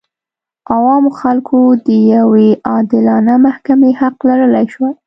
عامو خلکو د یوې عادلانه محکمې حق لرلی شوای.